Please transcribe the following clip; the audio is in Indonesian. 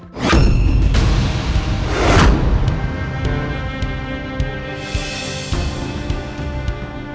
di joining family